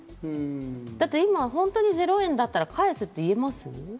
だって今本当に０円だったら、返すって言えます？